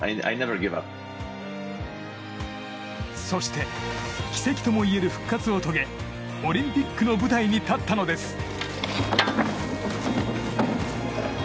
そして奇跡ともいえる復活を遂げオリンピックの舞台に立ったのです。